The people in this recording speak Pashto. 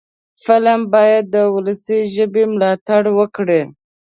فلم باید د ولسي ژبې ملاتړ وکړي